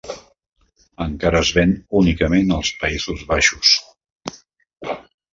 Encara es ven únicament als Països Baixos.